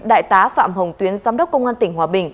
đại tá phạm hồng tuyến giám đốc công an tỉnh hòa bình